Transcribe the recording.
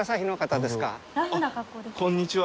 あっこんにちは。